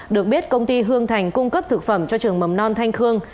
được biết công ty hương thành cung cấp thực phẩm cho trường mầm non thanh khương